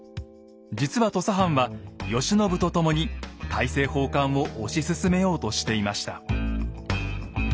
実は土佐藩は慶喜と共に大政奉還を推し進めようとしていました。